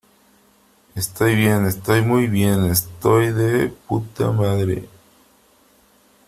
estoy bien . estoy muy bien , estoy de_puta_madre .